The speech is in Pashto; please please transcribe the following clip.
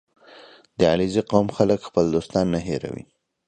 • د علیزي قوم خلک خپل دوستان نه هېروي.